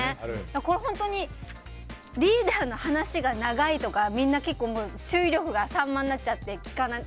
本当に、リーダーの話が長いとかみんな結構注意力が散漫になっちゃったり。